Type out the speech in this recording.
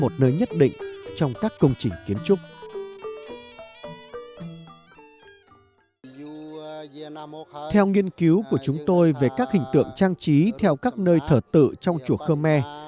theo nghiên cứu của chúng tôi về các hình tượng trang trí theo các nơi thở tự trong chùa khmer